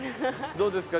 どうですか？